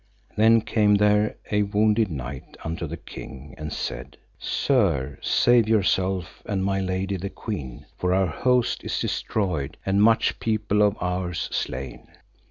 Then came there a wounded knight unto the king, and said, Sir, save yourself and my lady the queen, for our host is destroyed, and much people of ours slain.